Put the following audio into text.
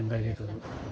itu makan berapa lama itu